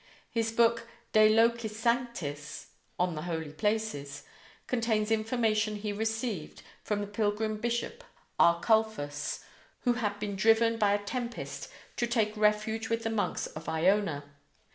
His book "De Locis Sanctis" ("On the Holy Places") contains information he received from the pilgrim bishop Arculfus, who had been driven by a tempest to take refuge with the monks of Iona.